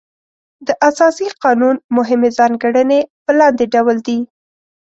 د اساسي قانون مهمې ځانګړنې په لاندې ډول دي.